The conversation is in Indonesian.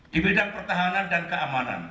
di bidang pertahanan dan keamanan